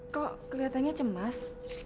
kok keliatannya cemas